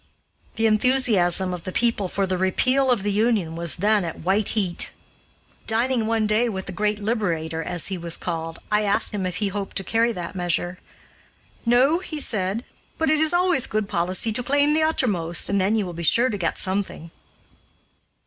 The enthusiasm of the people for the Repeal of the Union was then at white heat. Dining one day with the "Great Liberator," as he was called, I asked him if he hoped to carry that measure. "No," he said, "but it is always good policy to claim the uttermost and then you will be sure to get something."